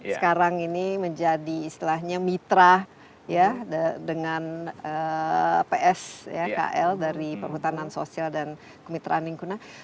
sekarang ini menjadi istilahnya mitra ya dengan pskl dari pemutanan sosial dan kementerian lingkungan